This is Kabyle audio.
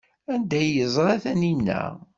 Anda ay yeẓra Taninna?